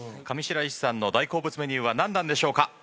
上白石さんの大好物メニューは何なんでしょうか？